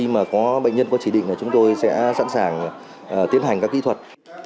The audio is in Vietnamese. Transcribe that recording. khi mà có bệnh nhân có chỉ định là chúng tôi sẽ sẵn sàng tiến hành các kỹ thuật